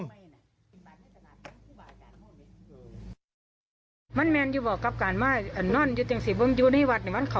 ก็ว่าผิดกันยังหรอกแล้วควันสานวัดแม่พ่อมันแหละ